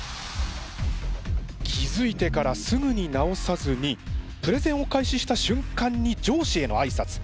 気付いてからすぐに直さずにプレゼンを開始した瞬間に上司へのあいさつ。